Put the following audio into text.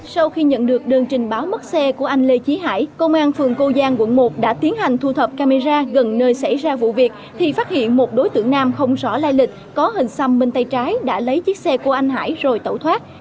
sau khi nhận được đơn trình báo mất xe của anh lê trí hải công an phường cô giang quận một đã tiến hành thu thập camera gần nơi xảy ra vụ việc thì phát hiện một đối tượng nam không rõ lai lịch có hình xăm minh tay trái đã lấy chiếc xe của anh hải rồi tẩu thoát